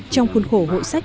trong khuôn khổ hội sách